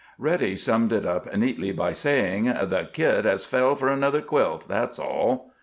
Reddy summed it up neatly by saying, "The Kid has fell for another quilt, that's all."